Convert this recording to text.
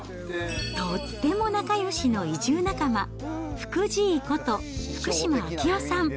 とっても仲よしの移住仲間、福じいこと、福島明雄さん。